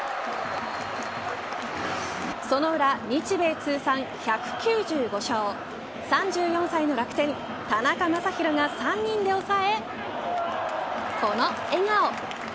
その裏、日米通算１９５勝３４歳の楽天、田中将大が３人で抑えこの笑顔。